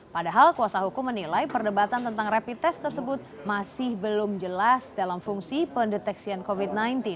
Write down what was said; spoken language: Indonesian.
padahal kuasa hukum menilai perdebatan tentang rapid test tersebut masih belum jelas dalam fungsi pendeteksian covid sembilan belas